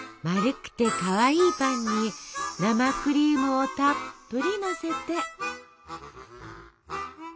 丸くてかわいいパンに生クリームをたっぷりのせて。